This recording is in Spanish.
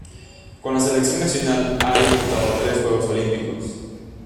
Con la selección nacional ha disputado tres Juegos Olímpicos.